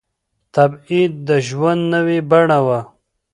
تبعيد د ژوند نوې بڼه وه.